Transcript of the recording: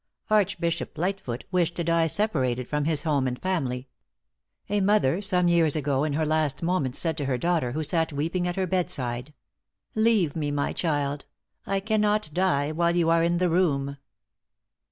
Archbishop Lightfoot wished to die separated from his home and family. A mother, some years ago, in her last moments said to. her daughter, who sat weeping at her bedside, "Leave me, my child; I cannot die while you are in the room."